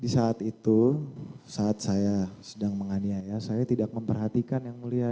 saat itu saat saya sedang menganiaya saya tidak memperhatikan yang mulia